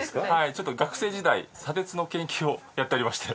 ちょっと学生時代砂鉄の研究をやっておりまして。